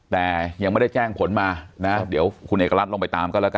แต่ยังไม่ได้แจ้งผลมานะเดี๋ยวคุณเอกรัฐลงไปตามก็แล้วกัน